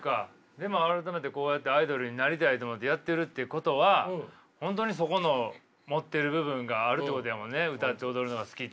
でも改めてこうやってアイドルになりたいと思ってやってるっていうことは本当にそこの持ってる部分があるってことやもんね。